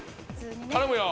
頼むよ。